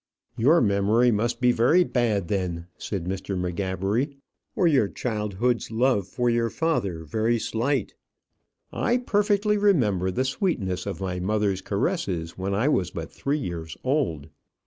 "Your memory must be very bad, then," said Mr. M'Gabbery, "or your childhood's love for your father very slight. I perfectly remember the sweetness of my mother's caresses when I was but three years old.